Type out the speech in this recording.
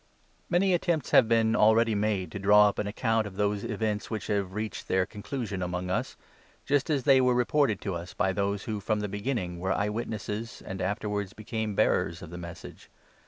Many attempts have been already made to draw up an account of those events which have reached their conclusion among us, just as they were reported to us by those who from the beginning were eye witnesses, and aftei wards became bearers of the Message.